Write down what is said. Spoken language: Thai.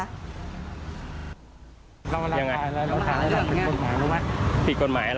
พี่แกบอกว่าคุณผู้ชมไปดูคลิปนี้กันหน่อยนะฮะ